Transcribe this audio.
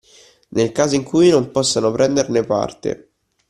Nel caso in cui non possano prenderne parte